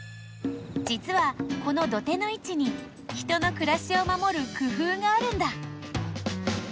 じつはこの土手のいちに人のくらしをまもる工夫があるんだ。